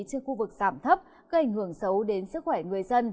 trên khu vực giảm thấp gây ảnh hưởng xấu đến sức khỏe người dân